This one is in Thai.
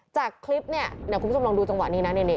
จากคลิปเนี่ยเดี๋ยวคุณผู้ชมลองดูจังหวะนี้นะ